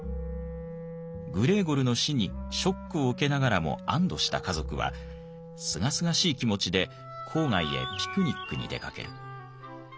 グレーゴルの死にショックを受けながらも安堵した家族はすがすがしい気持ちで郊外へピクニックに出かける。